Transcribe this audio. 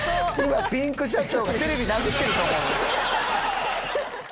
今ピンク社長がテレビ殴ってると思いますよ。